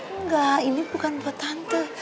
enggak ini bukan buat tante